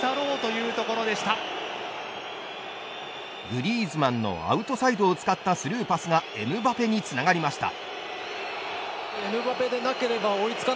グリーズマンのアウトサイドを使ったスルーパスがエムバペにつながりました。